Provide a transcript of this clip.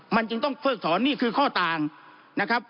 มันจึงต้องเพิกถอนนี่คือข้อต่างนะครับ